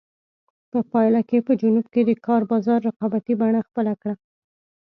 په پایله کې په جنوب کې د کار بازار رقابتي بڼه خپله کړه.